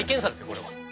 これは。